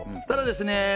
ただですね